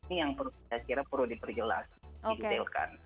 ini yang saya kira perlu diperjelas didetailkan